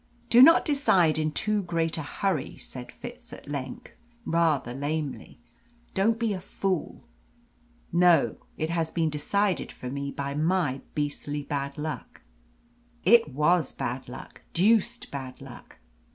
"Do not decide in too great a hurry," said Fitz at length, rather lamely. "Don't be a fool!" "No, it has been decided for me by my beastly bad luck." "It WAS bad luck deuced bad luck."